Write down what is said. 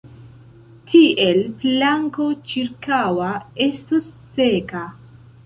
Tiel planko ĉirkaŭa estos seka!